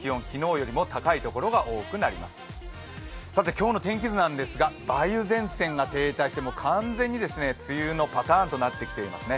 今日の天気図なんですが、梅雨前線が停滞して完全に梅雨のパターンとなってきていますね。